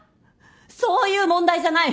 そういう問題じゃない！